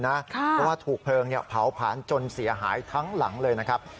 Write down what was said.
เพราะว่าถูกเพลิงเผาผลาญจนเสียหายทั้งหลังเลยนะครับ